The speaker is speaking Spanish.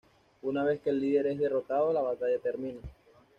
Una vez que el líder es derrotado, la batalla termina.